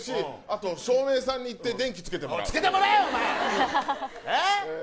あと照明さんに言って電気つけてもらうおうつけてもらえよお前えっ？